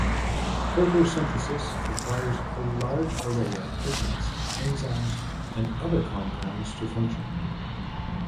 Photosynthesis requires a large array of pigments, enzymes, and other compounds to function.